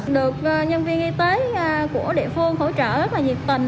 được nhân viên y tế của địa phương hỗ trợ rất là nhiệt tình